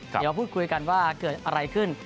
เดี๋ยวพูดคุยกันว่าเกิดอะไรขึ้น